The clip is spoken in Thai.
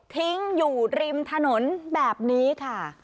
ทิ้งอยู่ริมถนนแบบนี้ค่ะ